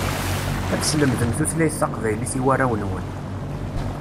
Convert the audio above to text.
Ad teslemdem tutlayt taqbaylit i warraw-inwen.